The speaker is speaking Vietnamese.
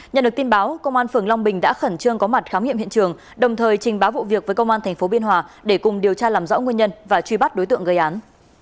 nhận được tin báo công an phường long bình đã khẩn trương có mặt khám nghiệm hiện trường đồng thời trình báo vụ việc với công an tp biên hòa để cùng điều tra làm rõ nguyên nhân và truy bắt đối tượng gây án